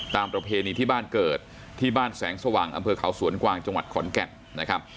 ตามประเพณีที่บ้านเกิดที่บ้านแสงสว่างองค์ประเภท